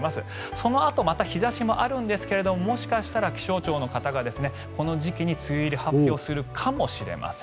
そのあと、また日差しもあるんですがもしかしたら気象庁の方がこの時期に梅雨入り発表するかもしれません。